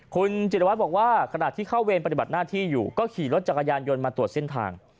คุณจิตรวัตรบอกว่าขณะที่เข้าเวรปฏิบัติหน้าที่อยู่ก็ขี่รถจักรยานยนต์มาตรวจเส้นทาง